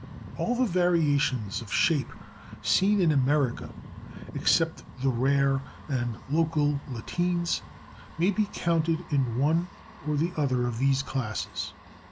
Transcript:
All the variations of shape seen in America, except the rare and local lateens, can be counted in one or the other of these classes.